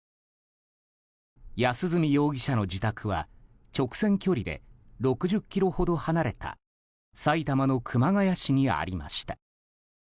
安栖容疑者の自宅は直線距離で６０ｋｍほど離れた埼玉の熊谷市にありました。